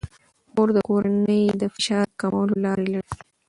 مور د کورنۍ د فشار کمولو لارې لټوي.